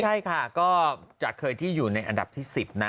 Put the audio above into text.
ใช่ค่ะก็จากเคยที่อยู่ในอันดับที่๑๐นะ